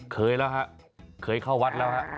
เคยแล้วฮะเคยเข้าวัดแล้วฮะ